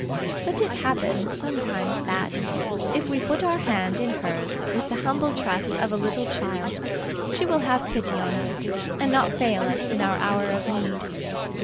But it happens sometimes that, if we put our hand in hers with the humble trust of a little child, she will have pity on us, and not fail us in our hour of need.